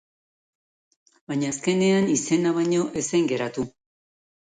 Baina azkenean izena baino ez zen geratu.